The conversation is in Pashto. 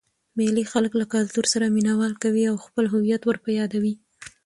مېلې خلک له کلتور سره مینه وال کوي او خپل هويت ور په يادوي.